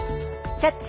「キャッチ！